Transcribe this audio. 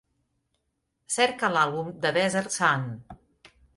Cerca l'àlbum The Desert Sun